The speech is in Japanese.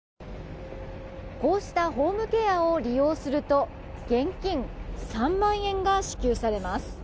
こうしたホームケアを利用すると現金３万円が支給されます。